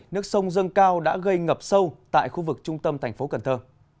nước sông dâng cao đã gây ngập sâu tại khu vực trung tâm thành phố cần thơ